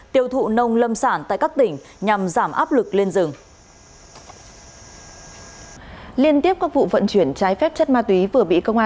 tiêu thụ nông lâm sản tại các tỉnh nhằm giảm áp lực lên rừng